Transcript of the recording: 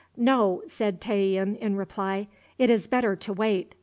"No," said Tayian, in reply, "it is better to wait.